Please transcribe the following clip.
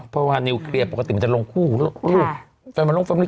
เพราะว่านิวเคลียร์ปกติมันจะลงคู่